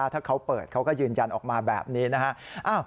ถ้าเขาเปิดเขาก็ยืนยันออกมาแบบนี้นะฮะ